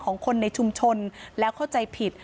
ของคนในชุมชนแล้วเข้าใจผิด